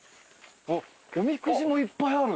おみくじもいっぱいある。